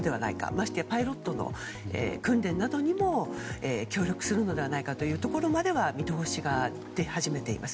ましてやパイロットの訓練などにも協力するのではないかというところは見通しが出始めています。